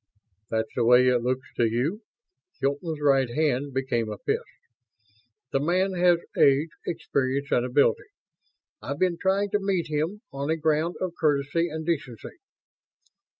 "That's the way it looks to you?" Hilton's right hand became a fist. "The man has age, experience and ability. I've been trying to meet him on a ground of courtesy and decency."